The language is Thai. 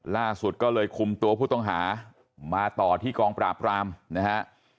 ล่าสุดก็เลยคุมตัวผู้ต้องหามาต่อที่กองปราบรามนะฮะ